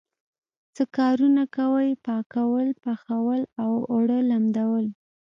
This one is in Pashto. څه کارونه کوئ؟ پاکول، پخول او اوړه لمدول